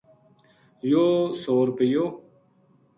یوہ سو رُپیو